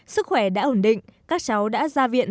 sức khỏe đã ổn định các cháu đã ra viện